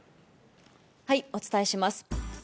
お伝えします。